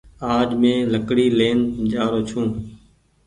آج مينٚ لهڪڙي لين جآرو ڇوٚنٚ